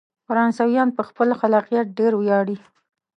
فرانسویان په خپل خلاقیت ډیر ویاړي.